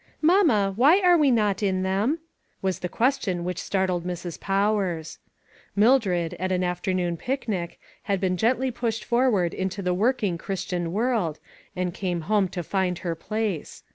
" Mamma, why are we not in them ?" was the question which startled Mrs. Pow ers. Mildred, at an afternoon picnic, had been gently pushed forward into the work ing Christian world, and came home to find her place.